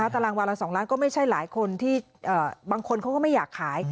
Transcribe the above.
ตารางวาละ๒ล้านก็ไม่ใช่หลายคนที่บางคนเขาก็ไม่อยากขาย